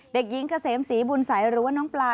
เด็กหญิงเกษมศรีบุญสัยหรือว่าน้องปลา